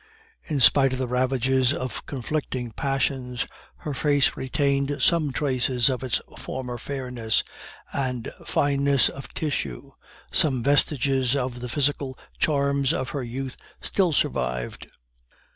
In spite of the ravages of conflicting passions, her face retained some traces of its former fairness and fineness of tissue, some vestiges of the physical charms of her youth still survived.